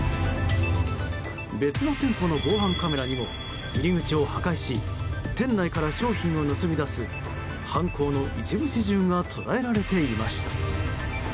別の店舗の防犯カメラにも入り口を破壊し店内から商品を盗み出す犯行の一部始終が捉えられていました。